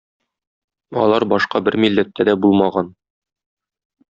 Алар башка бер милләттә дә булмаган.